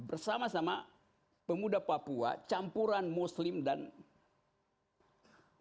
bersama sama pemuda papua campuran muslim dan muslim